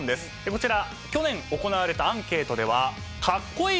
こちら去年行われたアンケートでは「かっこいい」